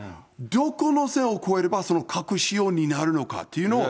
どこの線を越えれば、その核使用になるのかっていうのを。